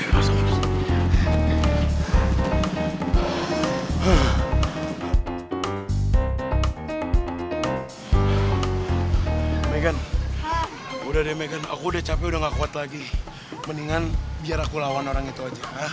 hai megan udah deh megan aku udah capek udah nggak kuat lagi mendingan biar aku lawan orang itu aja